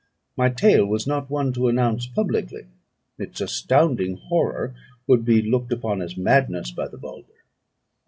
My tale was not one to announce publicly; its astounding horror would be looked upon as madness by the vulgar.